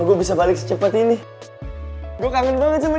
loh harapan akhirnya itu kek iris pb